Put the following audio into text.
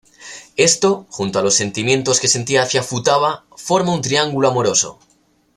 Esto, junto a los sentimientos que sentía hacia Futaba, forma un triángulo amoroso.